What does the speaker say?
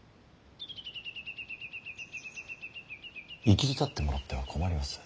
いきりたってもらっては困ります。